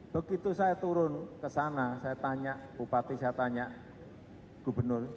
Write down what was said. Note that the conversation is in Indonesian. begitu saya turun ke sana saya tanya bupati saya tanya gubernur